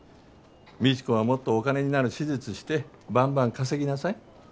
未知子はもっとお金になる手術してバンバン稼ぎなさい。